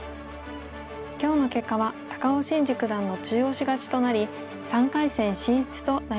今日の結果は高尾紳路九段の中押し勝ちとなり３回戦進出となりました。